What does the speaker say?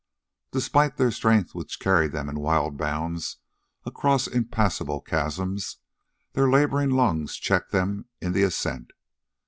Despite their strength which carried them in wild bounds across impassable chasms, their laboring lungs checked them in the ascent.